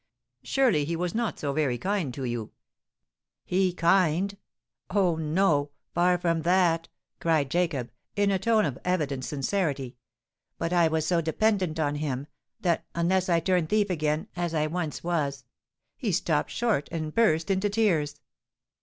"Surely he was not so very kind to you——" "He kind! Oh! no—far from that!" cried Jacob, in a tone of evident sincerity. "But I was so dependant on him, that—unless I turn thief again—as I once was——" He stopped short, and burst into tears.